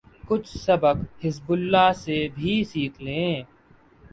کچھ سبق حزب اللہ سے بھی سیکھ لیں۔